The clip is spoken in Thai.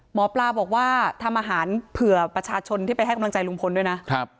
หมอปลาบอกว่าทำอาหารเผื่อประชาชนที่ไปให้กำลังใจลุงพลด้วยนะ